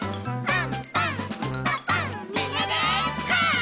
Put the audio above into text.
パン！